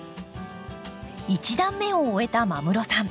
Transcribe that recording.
１段目を終えた間室さん